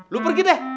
lo pergi deh